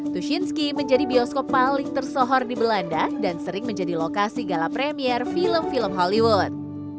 tushinski menjadi bioskop paling tersohor di belanda dan sering menjadi lokasi gala premier film film hollywood